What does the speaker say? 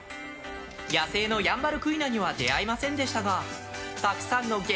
野生のヤンバルクイナには出会いませんでしたがたくさんの激